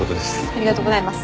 ありがとうございます。